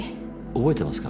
覚えてますか？